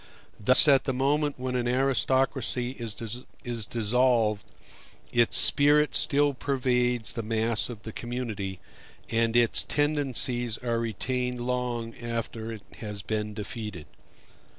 Thus at the moment when an aristocracy is dissolved, its spirit still pervades the mass of the community, and its tendencies are retained long after it has been defeated.